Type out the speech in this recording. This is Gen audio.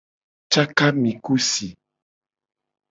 Caka ami ku si.